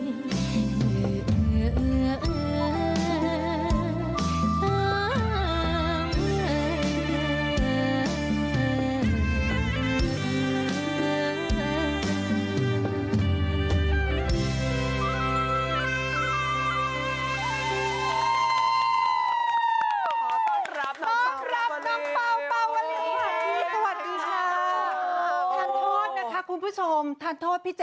โอ้โหจงรักและมีแค่ฉันอย่าได้เปลี่ยนใจ